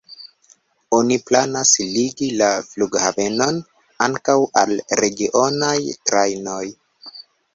Oni planas ligi la flughavenon ankaŭ al regionaj trajnoj.